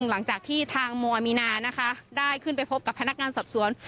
หลังจากที่ทางมัวมีนานะคะได้ขึ้นไปพบกับพนักงานสอบสวน